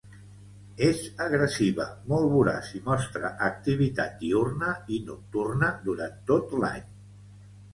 És agressiva, molt voraç i mostra activitat diürna i nocturna durant tot l'any.